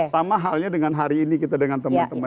sama halnya dengan hari ini kita dengan teman teman